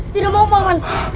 tidak mau pak wan